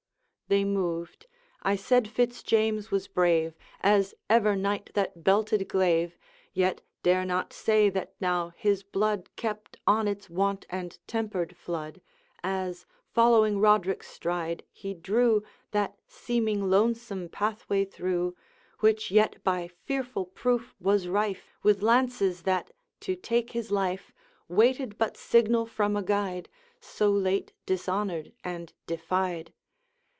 They moved; I said Fitz James was brave As ever knight that belted glaive, Yet dare not say that now his blood Kept on its wont and tempered flood, As, following Roderick's stride, he drew That seeming lonesome pathway through, Which yet by fearful proof was rife With lances, that, to take his life, Waited but signal from a guide, So late dishonored and defied.